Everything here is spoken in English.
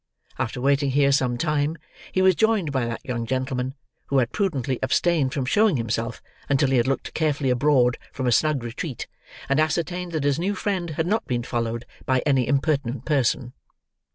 After waiting here some time, he was joined by that young gentleman, who had prudently abstained from showing himself until he had looked carefully abroad from a snug retreat, and ascertained that his new friend had not been followed by any impertinent person.